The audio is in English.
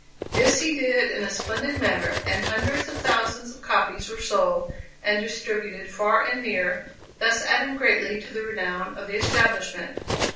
This he did in a splendid manner, and hundreds of thousands of copies were sold and distributed far and near, thus adding greatly to the renown of the establishment.